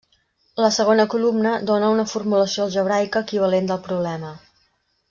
La segona columna dóna una formulació algebraica equivalent del problema.